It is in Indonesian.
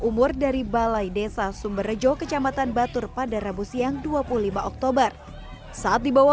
umur dari balai desa sumberjo kecamatan batur pada rabu siang dua puluh lima oktober saat dibawa